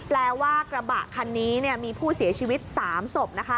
แปลว่ากระบะคันนี้มีผู้เสียชีวิต๓ศพนะคะ